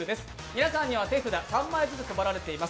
皆さんには手札、３枚ずつ配られています。